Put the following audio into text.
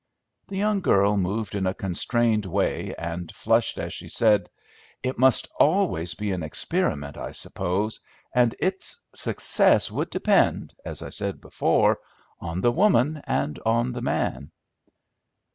The young girl moved in a constrained way, and flushed as she said, "It must always be an experiment, I suppose, and its success would depend, as I said before, on the woman and on the man."